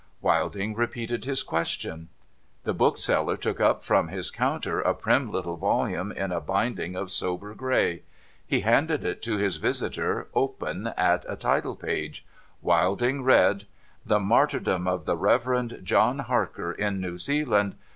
Wilding repeated his question. The bookseller took up from his counter a prim little volume in a binding of sober gray. He handed it to his visitor, open at the title page. Wilding read :' The martyrdom of the Reverend John Harker in New Zealand.